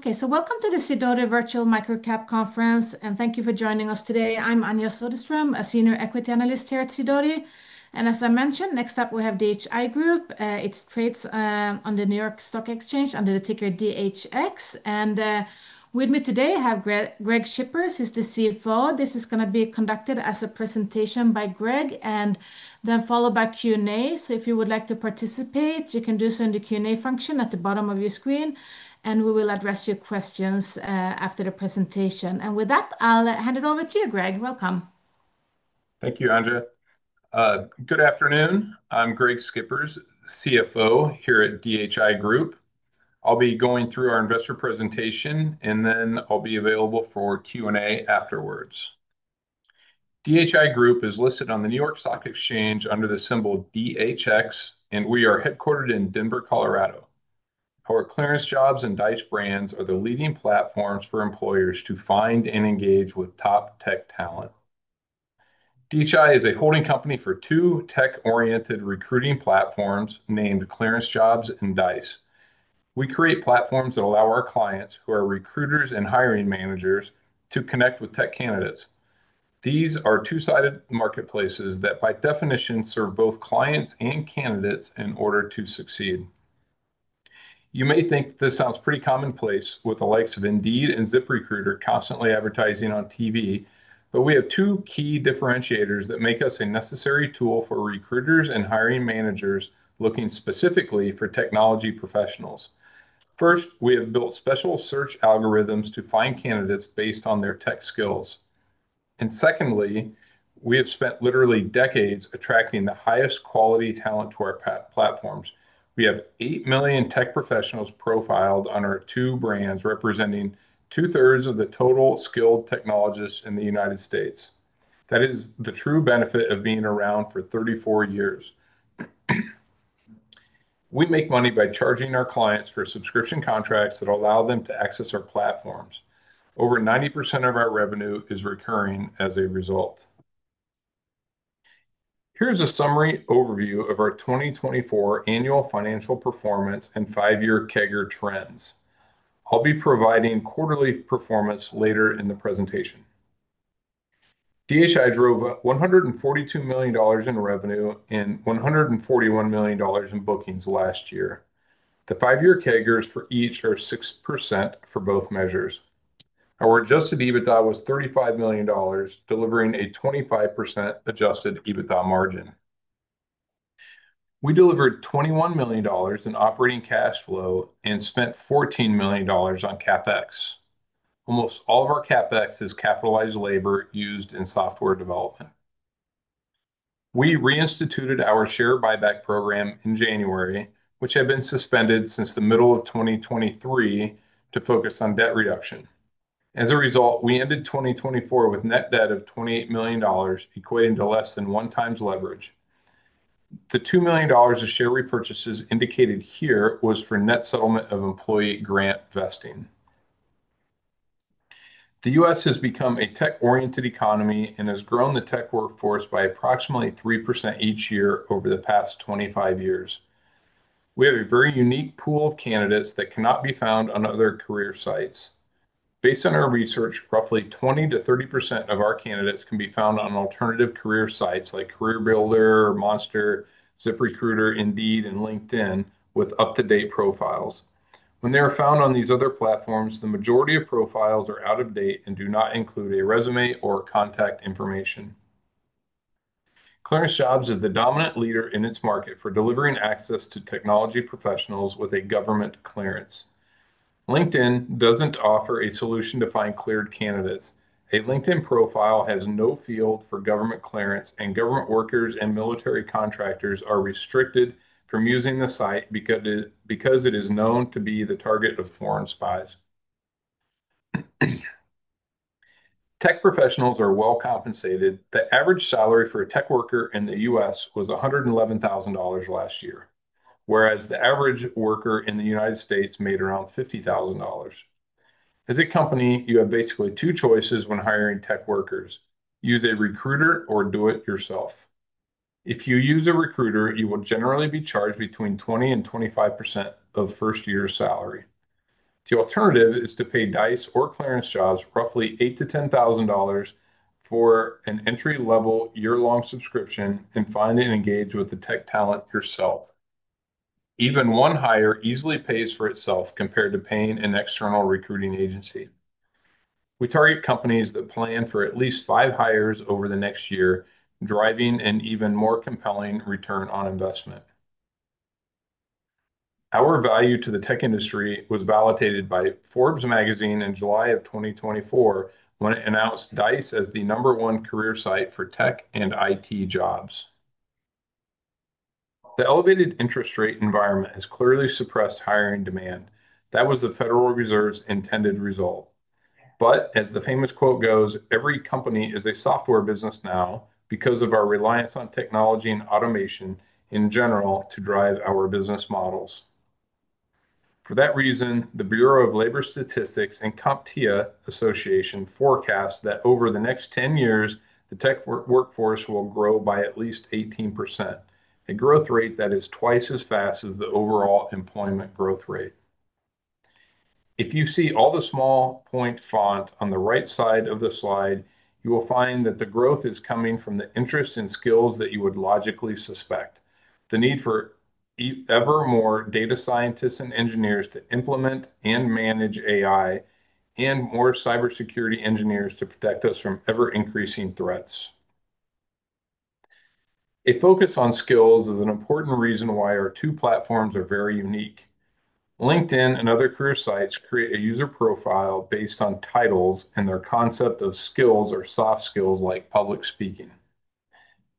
Okay, so welcome to the Sidoti Virtual Microcap Conference, and thank you for joining us today. I'm Anja Soderström, a Senior Equity Analyst here at Sidoti. As I mentioned, next up we have DHI Group. It's traded on the New York Stock Exchange under the ticker DHX. With me today, I have Greg Schippers. He's the CFO. This is going to be conducted as a presentation by Greg, followed by Q&A. If you would like to participate, you can do so in the Q&A function at the bottom of your screen, and we will address your questions after the presentation. With that, I'll hand it over to you, Greg. Welcome. Thank you, Anja. Good afternoon. I'm Greg Schippers, CFO here at DHI Group. I'll be going through our investor presentation, and then I'll be available for Q&A afterwards. DHI Group is listed on the New York Stock Exchange under the symbol DHX, and we are headquartered in Denver, Colorado. Our ClearanceJobs and Dice brands are the leading platforms for employers to find and engage with top tech talent. DHI is a holding company for two tech-oriented recruiting platforms named ClearanceJobs and Dice. We create platforms that allow our clients, who are recruiters and hiring managers, to connect with tech candidates. These are two-sided marketplaces that, by definition, serve both clients and candidates in order to succeed. You may think that this sounds pretty commonplace, with the likes of Indeed and ZipRecruiter constantly advertising on TV, but we have two key differentiators that make us a necessary tool for recruiters and hiring managers looking specifically for technology professionals. First, we have built special search algorithms to find candidates based on their tech skills. Secondly, we have spent literally decades attracting the highest quality talent to our platforms. We have 8 million tech professionals profiled on our two brands, representing two-thirds of the total skilled technologists in the U.S. That is the true benefit of being around for 34 years. We make money by charging our clients for subscription contracts that allow them to access our platforms. Over 90% of our revenue is recurring as a result. Here's a summary overview of our 2024 annual financial performance and five-year CAGR trends. I'll be providing quarterly performance later in the presentation. DHI drove up $142 million in revenue and $141 million in bookings last year. The five-year CAGR for each are 6% for both measures. Our adjusted EBITDA was $35 million, delivering a 25% adjusted EBITDA margin. We delivered $21 million in operating cash flow and spent $14 million on CapEx. Almost all of our CapEx is capitalized labor used in software development. We reinstituted our share buyback program in January, which had been suspended since the middle of 2023 to focus on debt reduction. As a result, we ended 2024 with net debt of $28 million, equating to less than one times leverage. The $2 million of share repurchases indicated here was for net settlement of employee grant vesting. The U.S. has become a tech-oriented economy and has grown the tech workforce by approximately 3% each year over the past 25 years. We have a very unique pool of candidates that cannot be found on other career sites. Based on our research, roughly 20%-30% of our candidates can be found on alternative career sites like CareerBuilder, Monster, ZipRecruiter, Indeed, and LinkedIn with up-to-date profiles. When they are found on these other platforms, the majority of profiles are out of date and do not include a resume or contact information. ClearanceJobs is the dominant leader in its market for delivering access to technology professionals with a government clearance. LinkedIn doesn't offer a solution to find cleared candidates. A LinkedIn profile has no field for government clearance, and government workers and military contractors are restricted from using the site because it is known to be the target of foreign spies. Tech professionals are well compensated. The average salary for a tech worker in the U.S. was $111,000 last year, whereas the average worker in the United States made around $50,000. As a company, you have basically two choices when hiring tech workers: use a recruiter or do it yourself. If you use a recruiter, you will generally be charged between 20%-25% of first year's salary. The alternative is to pay Dice or ClearanceJobs roughly $8,000-$10,000 for an entry-level year-long subscription and find and engage with the tech talent yourself. Even one hire easily pays for itself compared to paying an external recruiting agency. We target companies that plan for at least five hires over the next year, driving an even more compelling return on investment. Our value to the tech industry was validated by Forbes magazine in July 2024 when it announced Dice as the number one career site for tech and IT jobs. The elevated interest rate environment has clearly suppressed hiring demand. That was the Federal Reserve's intended result. As the famous quote goes, every company is a software business now because of our reliance on technology and automation in general to drive our business models. For that reason, the Bureau of Labor Statistics and CompTIA Association forecast that over the next 10 years, the tech workforce will grow by at least 18%, a growth rate that is twice as fast as the overall employment growth rate. If you see all the small point font on the right side of the slide, you will find that the growth is coming from the interest in skills that you would logically suspect: the need for ever more data scientists and engineers to implement and manage AI, and more cybersecurity engineers to protect us from ever-increasing threats. A focus on skills is an important reason why our two platforms are very unique. LinkedIn and other career sites create a user profile based on titles and their concept of skills or soft skills like public speaking.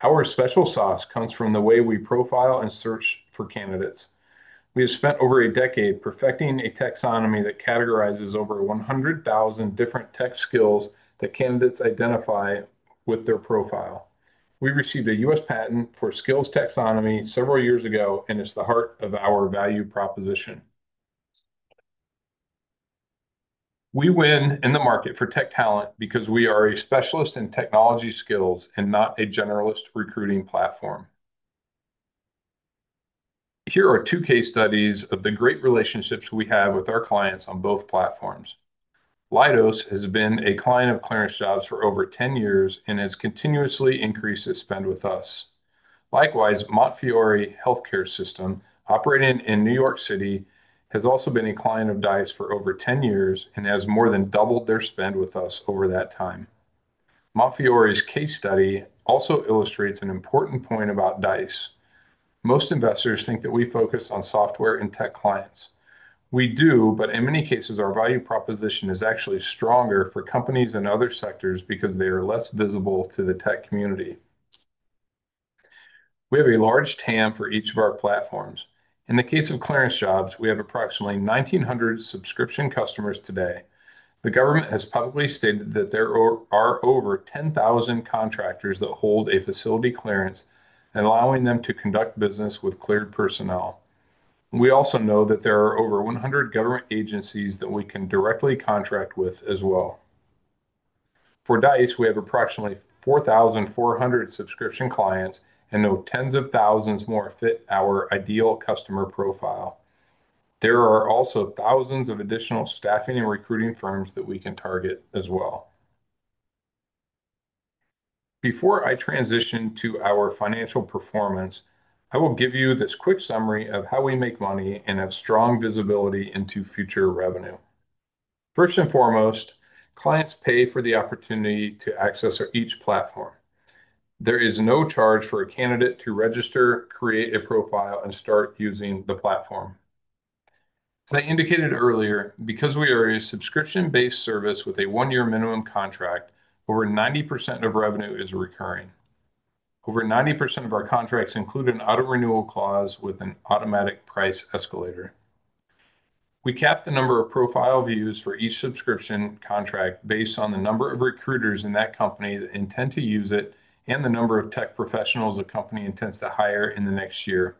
Our special sauce comes from the way we profile and search for candidates. We have spent over a decade perfecting a taxonomy that categorizes over 100,000 different tech skills that candidates identify with their profile. We received a U.S. patent for skills taxonomy several years ago, and it's the heart of our value proposition. We win in the market for tech talent because we are a specialist in technology skills and not a generalist recruiting platform. Here are two case studies of the great relationships we have with our clients on both platforms. Leidos has been a client of ClearanceJobs for over 10 years and has continuously increased its spend with us. Likewise, Montefiore Healthcare System, operating in New York City, has also been a client of Dice for over 10 years and has more than doubled their spend with us over that time. Montefiore's case study also illustrates an important point about Dice. Most investors think that we focus on software and tech clients. We do, but in many cases, our value proposition is actually stronger for companies in other sectors because they are less visible to the tech community. We have a large TAM for each of our platforms. In the case of ClearanceJobs, we have approximately 1,900 subscription customers today. The government has publicly stated that there are over 10,000 contractors that hold a facility clearance and allowing them to conduct business with cleared personnel. We also know that there are over 100 government agencies that we can directly contract with as well. For Dice, we have approximately 4,400 subscription clients and know tens of thousands more fit our ideal customer profile. There are also thousands of additional staffing and recruiting firms that we can target as well. Before I transition to our financial performance, I will give you this quick summary of how we make money and have strong visibility into future revenue. First and foremost, clients pay for the opportunity to access each platform. There is no charge for a candidate to register, create a profile, and start using the platform. As I indicated earlier, because we are a subscription-based service with a one-year minimum contract, over 90% of revenue is recurring. Over 90% of our contracts include an auto-renewal clause with an automatic price escalator. We cap the number of profile views for each subscription contract based on the number of recruiters in that company that intend to use it and the number of tech professionals a company intends to hire in the next year.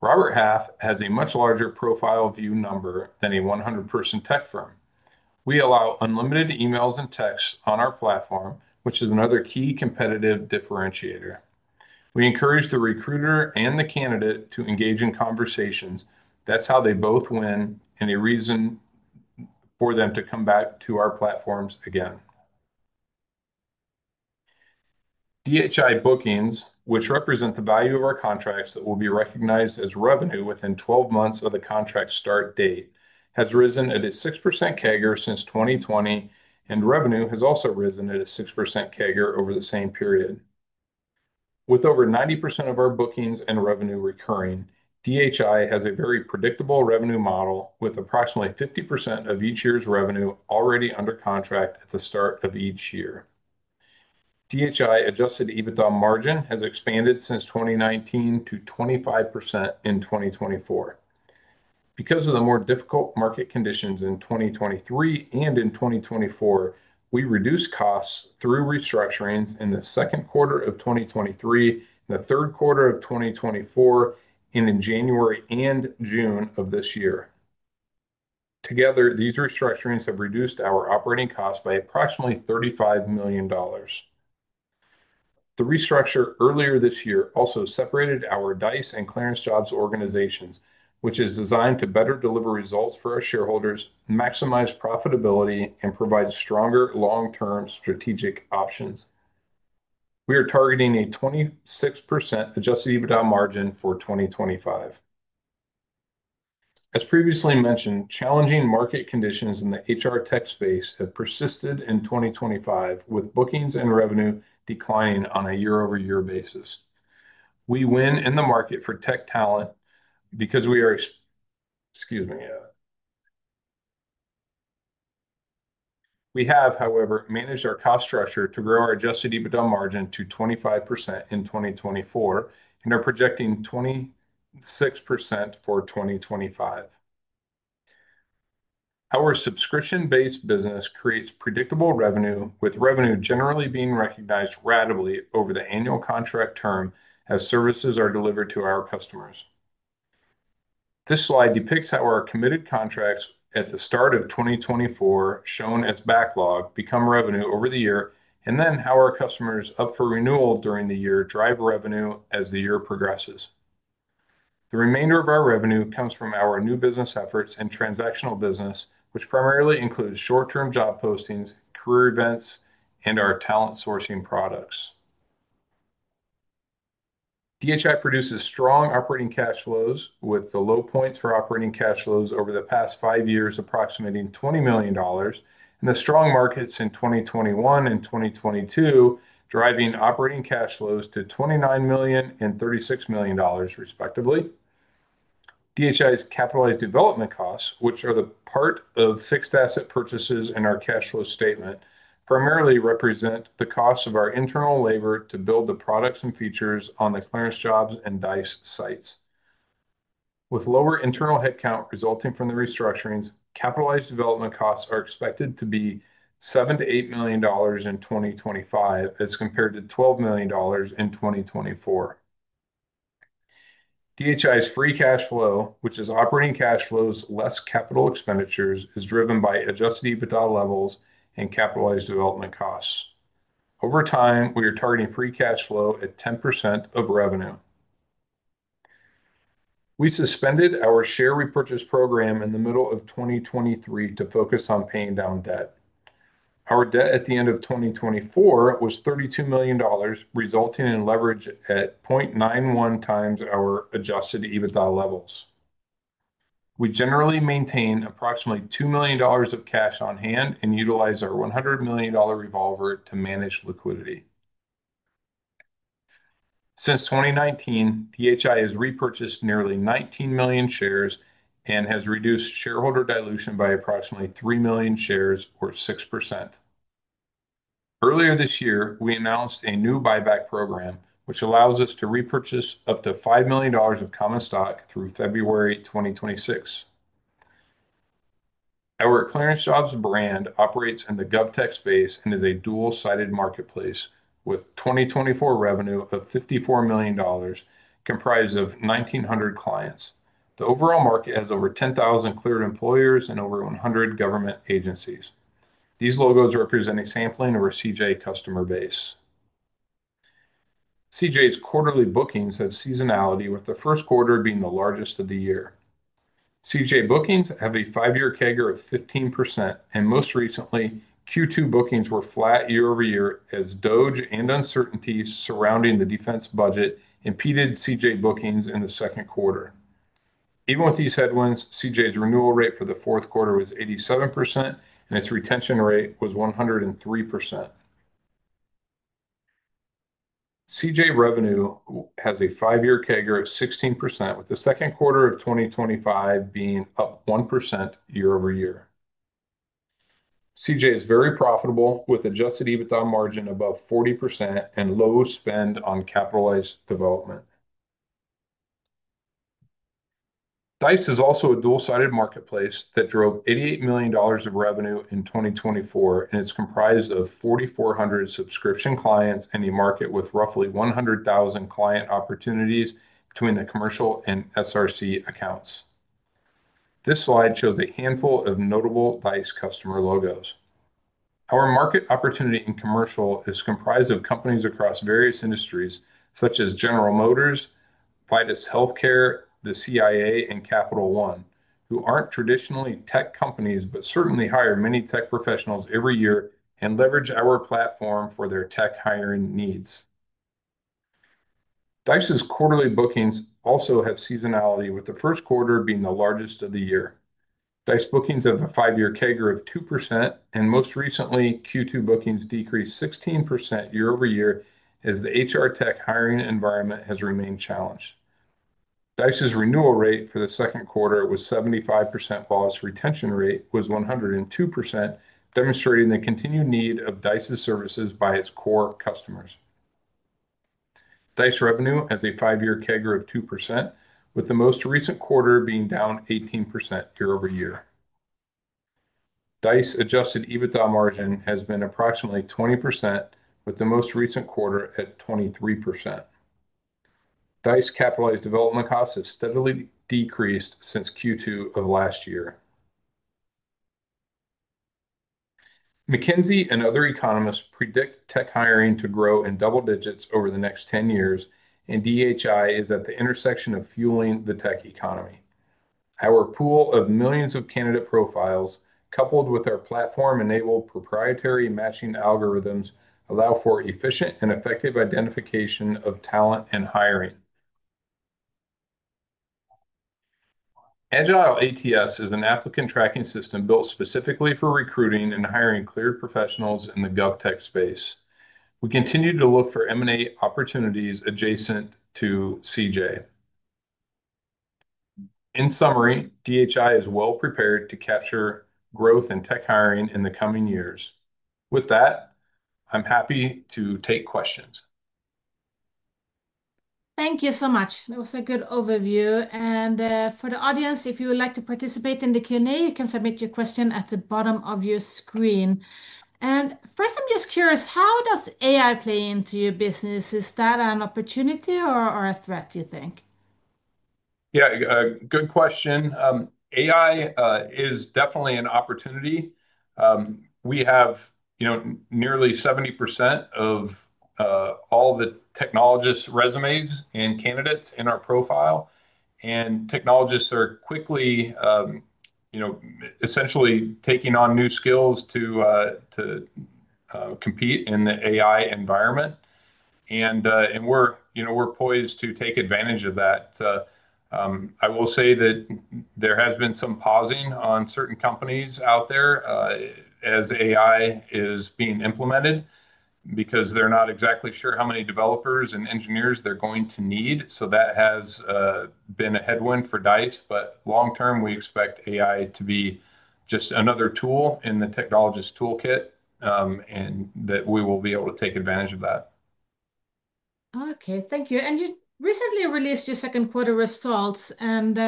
Robert Half has a much larger profile view number than a 100% tech firm. We allow unlimited emails and texts on our platform, which is another key competitive differentiator. We encourage the recruiter and the candidate to engage in conversations. That's how they both win, and a reason for them to come back to our platforms again. DHI bookings, which represent the value of our contracts that will be recognized as revenue within 12 months of the contract start date, have risen at a 6% CAGR since 2020, and revenue has also risen at a 6% CAGR over the same period. With over 90% of our bookings and revenue recurring, DHI has a very predictable revenue model, with approximately 50% of each year's revenue already under contract at the start of each year. DHI adjusted EBITDA margin has expanded since 2019 to 25% in 2024. Because of the more difficult market conditions in 2023 and in 2024, we reduced costs through restructurings in the second quarter of 2023, the third quarter of 2024, and in January and June of this year. Together, these restructurings have reduced our operating costs by approximately $35 million. The restructure earlier this year also separated our Dice and ClearanceJobs organizations, which is designed to better deliver results for our shareholders, maximize profitability, and provide stronger long-term strategic options. We are targeting a 26% adjusted EBITDA margin for 2025. As previously mentioned, challenging market conditions in the HR tech space have persisted in 2025, with bookings and revenue declining on a year-over-year basis. We win in the market for tech talent because we are. We have, however, managed our cost structure to grow our adjusted EBITDA margin to 25% in 2024 and are projecting 26% for 2025. Our subscription-based business creates predictable revenue, with revenue generally being recognized rapidly over the annual contract term as services are delivered to our customers. This slide depicts how our committed contracts at the start of 2024, shown as backlog, become revenue over the year, and then how our customers up for renewal during the year drive revenue as the year progresses. The remainder of our revenue comes from our new business efforts and transactional business, which primarily includes short-term job postings, career events, and our talent sourcing products. DHI produces strong operating cash flows, with the low points for operating cash flows over the past five years approximating $20 million, and the strong markets in 2021 and 2022 driving operating cash flows to $29 million and $36 million, respectively. DHI's capitalized development costs, which are the part of fixed asset purchases in our cash flow statement, primarily represent the costs of our internal labor to build the products and features on the ClearanceJobs and Dice sites. With lower internal headcount resulting from the restructurings, capitalized development costs are expected to be $7 million-$8 million in 2025, as compared to $12 million in 2024. DHI's free cash flow, which is operating cash flows, less capital expenditures, is driven by adjusted EBITDA levels and capitalized development costs. Over time, we are targeting free cash flow at 10% of revenue. We suspended our share repurchase program in the middle of 2023 to focus on paying down debt. Our debt at the end of 2024 was $32 million, resulting in leverage at 0.91x our adjusted EBITDA levels. We generally maintain approximately $2 million of cash on hand and utilize our $100 million revolver to manage liquidity. Since 2019, DHI has repurchased nearly 19 million shares and has reduced shareholder dilution by approximately 3 million shares, or 6%. Earlier this year, we announced a new buyback program, which allows us to repurchase up to $5 million of common stock through February 2026. Our ClearanceJobs brand operates in the GovTech space and is a dual-sided marketplace with 2024 revenue of $54 million, comprised of 1,900 clients. The overall market has over 10,000 cleared employers and over 100 government agencies. These logos represent a sampling of our CJ customer base. CJ's quarterly bookings have seasonality, with the first quarter being the largest of the year. CJ bookings have a five-year CAGR of 15%, and most recently, Q2 bookings were flat year over year as macro-economic factors and uncertainty surrounding the defense budget impeded CJ bookings in the second quarter. Even with these headwinds, CJ's renewal rate for the fourth quarter was 87%, and its retention rate was 103%. CJ revenue has a five-year CAGR of 16%, with the second quarter of 2025 being up 1% year-over-year. CJ is very profitable, with adjusted EBITDA margin above 40% and low spend on capitalized development. Dice is also a dual-sided marketplace that drove $88 million of revenue in 2024, and it's comprised of 4,400 subscription clients in a market with roughly 100,000 client opportunities between the commercial and strategic recruiting center accounts. This slide shows a handful of notable Dice customer logos. Our market opportunity in commercial is comprised of companies across various industries, such as General Motors, Midas Healthcare, the CIA, and Capital One, who aren't traditionally tech companies but certainly hire many tech professionals every year and leverage our platform for their tech hiring needs. Dice's quarterly bookings also have seasonality, with the first quarter being the largest of the year. Dice bookings have a five-year CAGR of 2%, and most recently, Q2 bookings decreased 16% year-over-year as the HR tech hiring environment has remained challenged. Dice's renewal rate for the second quarter was 75% while its retention rate was 102%, demonstrating the continued need of Dice's services by its core customers. Dice revenue has a five-year CAGR of 2%, with the most recent quarter being down 18% year-over-year. Dice's adjusted EBITDA margin has been approximately 20%, with the most recent quarter at 23%. Dice's capitalized development costs have steadily decreased since Q2 of last year. McKinsey and other economists predict tech hiring to grow in double digits over the next 10 years, and DHI is at the intersection of fueling the tech economy. Our pool of millions of candidate profiles, coupled with our platform-enabled proprietary matching algorithms, allow for efficient and effective identification of talent and hiring. AgileATS is an applicant tracking system built specifically for recruiting and hiring cleared professionals in the GovTech space. We continue to look for M&A opportunities adjacent to CJ. In summary, DHI is well prepared to capture growth in tech hiring in the coming years. With that, I'm happy to take questions. Thank you so much. That was a good overview. For the audience, if you would like to participate in the Q&A, you can submit your question at the bottom of your screen. First, I'm just curious, how does AI play into your business? Is that an opportunity or a threat, do you think? Good question. AI is definitely an opportunity. We have nearly 70% of all the technologists' resumes and candidates in our profile, and technologists are quickly essentially taking on new skills to compete in the AI environment. We're poised to take advantage of that. I will say that there has been some pausing on certain companies out there as AI is being implemented because they're not exactly sure how many developers and engineers they're going to need. That has been a headwind for Dice. Long term, we expect AI to be just another tool in the technologist toolkit and that we will be able to take advantage of that. Okay, thank you. You recently released your second quarter results, and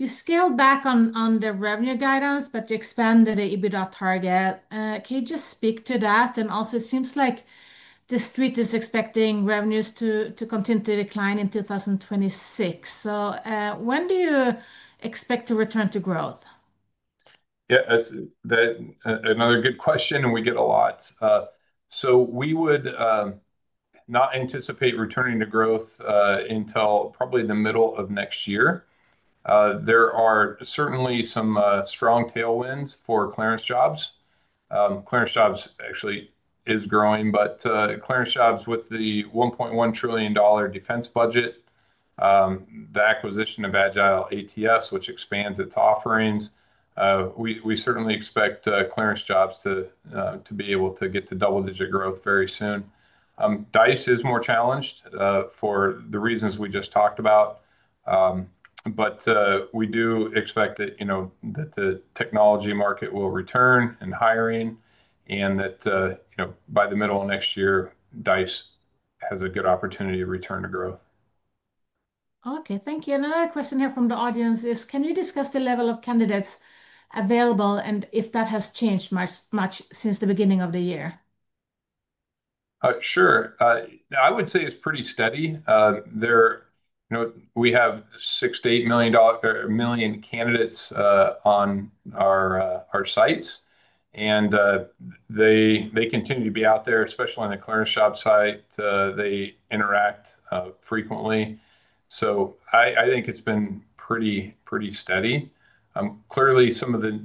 you scaled back on the revenue guidance, but you expanded the adjusted EBITDA target. Can you just speak to that? It seems like the street is expecting revenues to continue to decline in 2026. When do you expect to return to growth? Yeah, that's another good question, and we get it a lot. We would not anticipate returning to growth until probably the middle of next year. There are certainly some strong tailwinds for ClearanceJobs. ClearanceJobs actually is growing, but with the $1.1 trillion defense budget and the acquisition of AgileATS, which expands its offerings, we certainly expect ClearanceJobs to be able to get to double-digit growth very soon. Dice is more challenged for the reasons we just talked about, but we do expect that the technology market will return in hiring and that by the middle of next year, Dice has a good opportunity to return to growth. Okay, thank you. Another question here from the audience is, can you discuss the level of candidates available and if that has changed much since the beginning of the year? Sure. Now, I would say it's pretty steady. We have 6 million-8 million candidates on our sites, and they continue to be out there, especially on the ClearanceJobs site. They interact frequently. I think it's been pretty, pretty steady. Clearly, some of the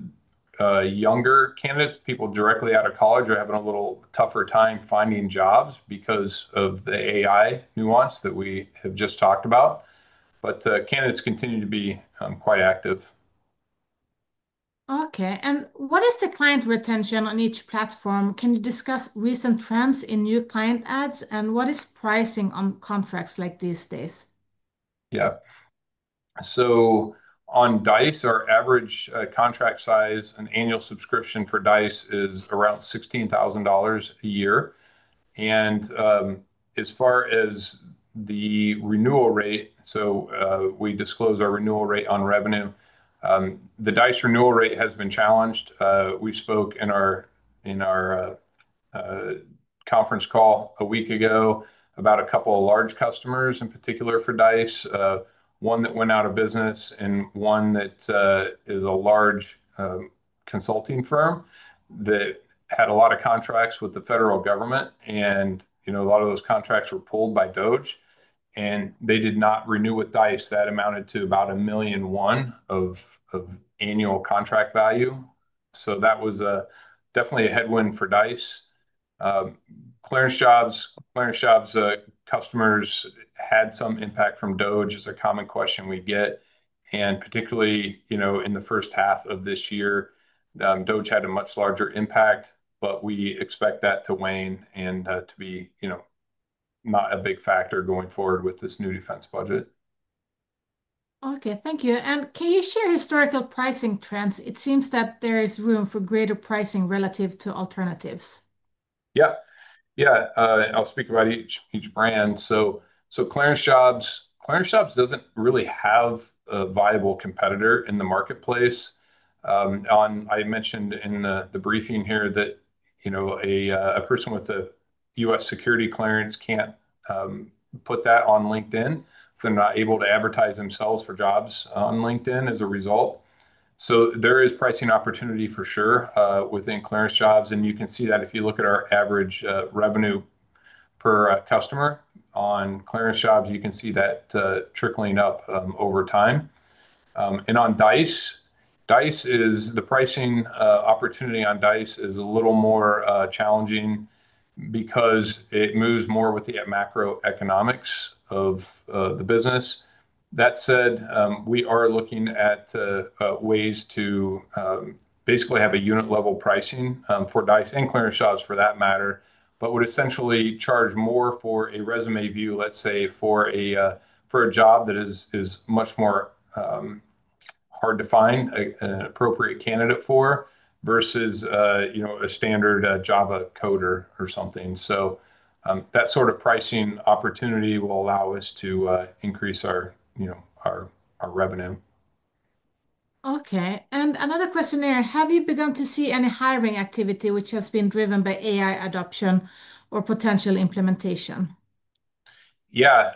younger candidates, people directly out of college, are having a little tougher time finding jobs because of the AI nuance that we have just talked about. Candidates continue to be quite active. Okay, what is the client retention on each platform? Can you discuss recent trends in new client ads? What is pricing on contracts like these days? Yeah, so on Dice, our average contract size, an annual subscription for Dice is around $16,000 a year. As far as the renewal rate, we disclose our renewal rate on revenue. The Dice renewal rate has been challenged. We spoke in our conference call a week ago about a couple of large customers, in particular for Dice, one that went out of business and one that is a large consulting firm that had a lot of contracts with the federal government. A lot of those contracts were pulled by the DoD, and they did not renew with Dice. That amounted to about $1.1 million of annual contract value. That was definitely a headwind for Dice. ClearanceJobs customers had some impact from DoD, which is a common question we get. Particularly in the first half of this year, DoD had a much larger impact, but we expect that to wane and to be not a big factor going forward with this new defense budget. Thank you. Can you share historical pricing trends? It seems that there is room for greater pricing relative to alternatives. Yeah, I'll speak about each brand. ClearanceJobs doesn't really have a viable competitor in the marketplace. I mentioned in the briefing here that, you know, a person with a U.S. security clearance can't put that on LinkedIn. They're not able to advertise themselves for jobs on LinkedIn as a result. There is pricing opportunity for sure within ClearanceJobs. You can see that if you look at our average revenue per customer on ClearanceJobs, you can see that trickling up over time. On Dice, the pricing opportunity on Dice is a little more challenging because it moves more with the macro-economic factors of the business. That said, we are looking at ways to basically have a unit-level pricing for Dice and ClearanceJobs for that matter, which would essentially charge more for a resume view, let's say, for a job that is much more hard to find an appropriate candidate for versus, you know, a standard Java coder or something. That sort of pricing opportunity will allow us to increase our revenue. Okay, another question there. Have you begun to see any hiring activity which has been driven by AI adoption or potential implementation? Yeah,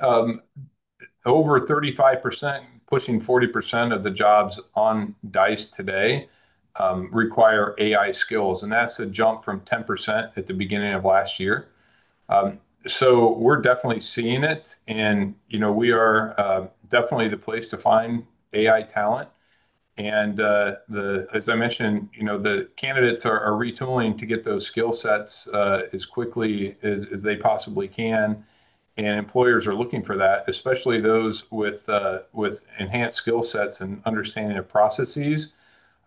over 35%, pushing 40% of the jobs on Dice today require AI skills, and that's a jump from 10% at the beginning of last year. We're definitely seeing it, and we are definitely the place to find AI talent. As I mentioned, the candidates are retooling to get those skill sets as quickly as they possibly can, and employers are looking for that, especially those with enhanced skill sets and understanding of processes.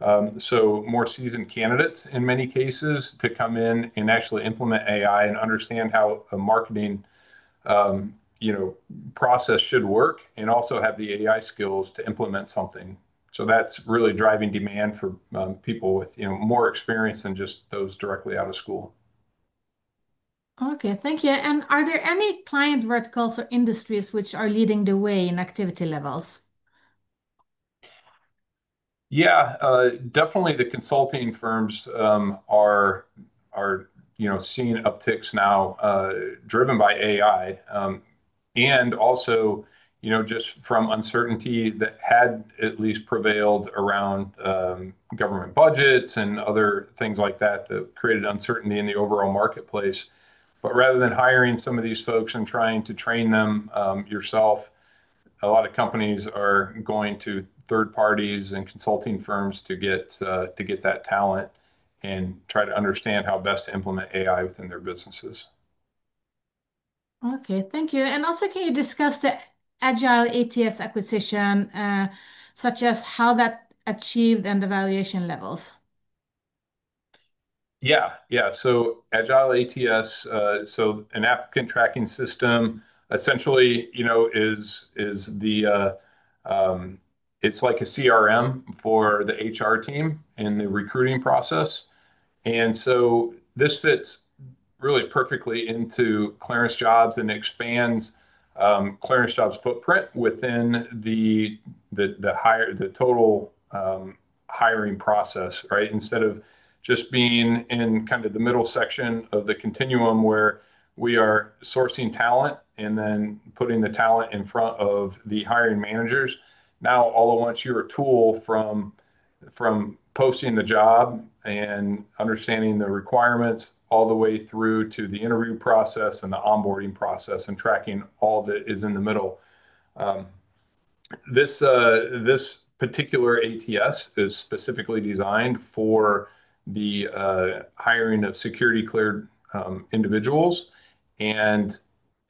More seasoned candidates in many cases come in and actually implement AI and understand how a marketing process should work and also have the AI skills to implement something. That's really driving demand for people with more experience than just those directly out of school. Thank you. Are there any client verticals or industries which are leading the way in activity levels? Yeah, definitely the consulting firms are, you know, seeing upticks now driven by AI. Also, you know, just from uncertainty that had at least prevailed around government budgets and other things like that that created uncertainty in the overall marketplace. Rather than hiring some of these folks and trying to train them yourself, a lot of companies are going to third parties and consulting firms to get that talent and try to understand how best to implement AI within their businesses. Okay, thank you. Can you discuss the AgileATS acquisition, such as how that achieved and evaluation levels? Yeah, yeah, so Agile ATS, so an applicant tracking system, essentially, you know, is the, it's like a CRM for the HR team and the recruiting process. This fits really perfectly into ClearanceJobs and expands ClearanceJobs' footprint within the total hiring process, right? Instead of just being in kind of the middle section of the continuum where we are sourcing talent and then putting the talent in front of the hiring managers, now all at once you're a tool from posting the job and understanding the requirements all the way through to the interview process and the onboarding process, and tracking all that is in the middle. This particular ATS is specifically designed for the hiring of security-cleared individuals, and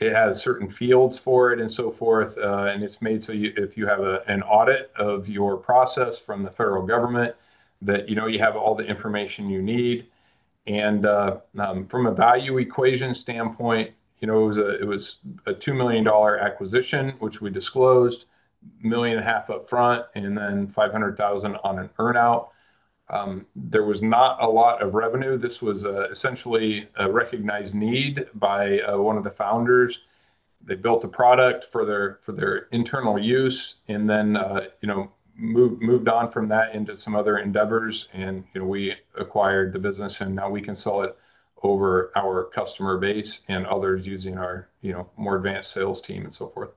it has certain fields for it and so forth. It's made so if you have an audit of your process from the federal government, that you know, you have all the information you need. From a value equation standpoint, you know, it was a $2 million acquisition, which we disclosed $1.5 million up front and then $500,000 on an earnout. There was not a lot of revenue. This was essentially a recognized need by one of the founders. They built a product for their internal use and then, you know, moved on from that into some other endeavors. You know, we acquired the business and now we can sell it over our customer base and others using our, you know, more advanced sales team and so forth.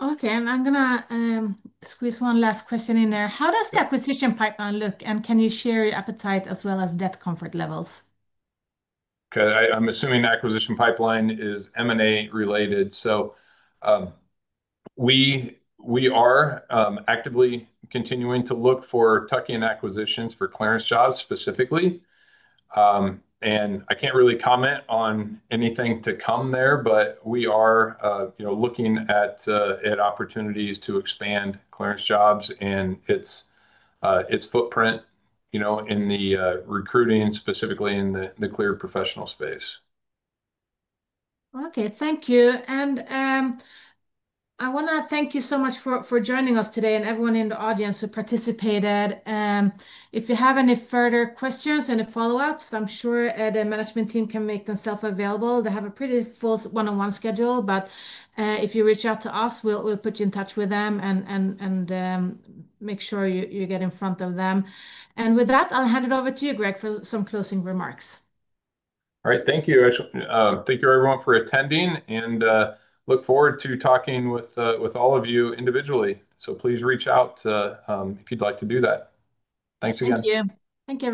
Okay, I'm going to squeeze one last question in there. How does the acquisition pipeline look, and can you share your appetite as well as debt comfort levels? Okay, I'm assuming the acquisition pipeline is M&A related. We are actively continuing to look for tuck-in acquisitions for ClearanceJobs specifically. I can't really comment on anything to come there, but we are looking at opportunities to expand ClearanceJobs and its footprint in the recruiting, specifically in the cleared professional space. Okay, thank you. I want to thank you so much for joining us today and everyone in the audience who participated. If you have any further questions or any follow-ups, I'm sure the management team can make themselves available. They have a pretty full one-on-one schedule, but if you reach out to us, we'll put you in touch with them and make sure you get in front of them. With that, I'll hand it over to you, Greg, for some closing remarks. All right, thank you. Thank you, everyone, for attending, and look forward to talking with all of you individually. Please reach out if you'd like to do that. Thanks again. Thank you. Thank you.